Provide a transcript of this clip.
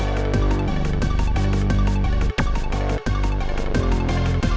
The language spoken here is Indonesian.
aku cheese arya juga kedudukan